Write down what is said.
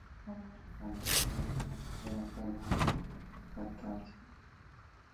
আমার চন্দ্রলোকেও কি এখনো অগ্ন্যুৎপাত আছে।